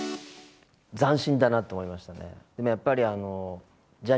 斬新だなと思いましたね。